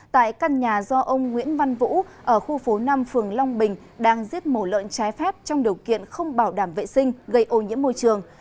tại căn nhà do ông nguyễn văn vũ ở khu phố năm phường long bình đang giết mổ lợn trái phép trong điều kiện không bảo đảm vệ sinh gây ô nhiễm môi trường